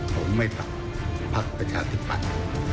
ผมไม่ตัดภักษ์ประชาธิปัตย์